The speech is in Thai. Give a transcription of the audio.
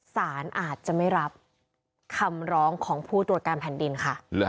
สารอาจจะไม่รับคำร้องของผู้ตรวจการแผ่นดินค่ะ